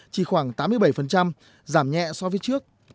chỉ khoảng tám mươi bảy giảm nhẹ so với trước